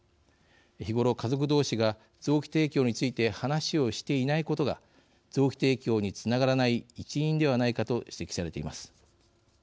日頃、家族同士が臓器提供について話をしていないことが臓器提供につながらない一因ではないかと指摘されています。